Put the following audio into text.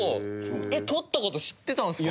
えっ取った事知ってたんですか？